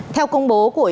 theo công bố của